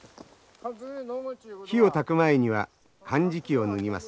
火をたく前にはかんじきを脱ぎます。